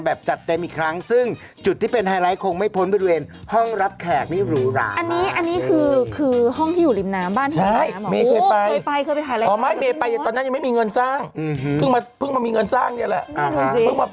ไม่ใช่แค่พี่นะตอนนี้รสเมย์เชื่อว่าทุกคนที่นั่งดูเราอยู่